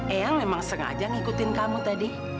eyang memang sengaja ngikutin kamu tadi